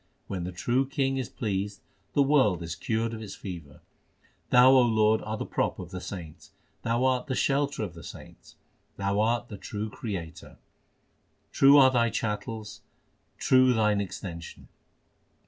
When the True King is pleased, the world is cured of its fever. Thou, O Lord, art the prop of the saints ; Thou art the shelter of the saints ; Thou art the true Creator. True are Thy chattels, true Thine extension.